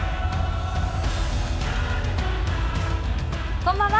こんばんは。